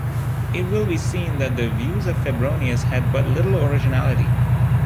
It will be seen that the views of Febronius had but little originality.